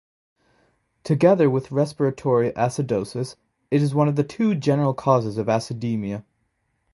Together with respiratory acidosis, it is one of the two general causes of acidemia.